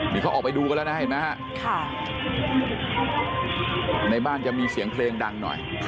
นี่เขาออกไปดูกันแล้วนะเห็นไหมฮะในบ้านจะมีเสียงเพลงดังหน่อย